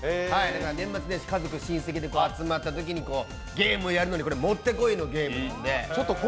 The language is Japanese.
年末年始、家族、親戚で集まったときにゲームやるのにもってこいのゲームなので。